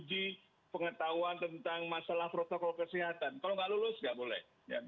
jadi kita harus menguji pengetahuan tentang masalah protokol kesehatan kalau nggak lulus nggak boleh